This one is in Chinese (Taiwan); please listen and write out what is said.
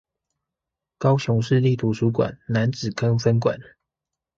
高雄市立圖書館楠仔坑分館